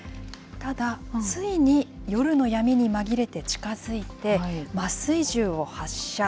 ただ、ついに夜の闇に紛れて近づいて、麻酔銃を発射。